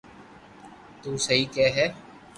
تو سھي ڪي ھي